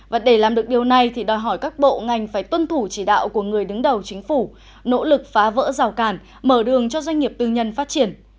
và để làm được điều này thì đòi hỏi các bộ ngành phải tuân thủ chỉ đạo của người đứng đầu chính phủ nỗ lực phá vỡ rào cản mở đường cho doanh nghiệp tư nhân phát triển